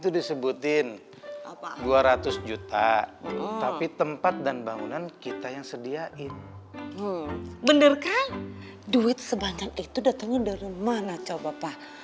duit sebanyak itu datangnya dari mana coba pak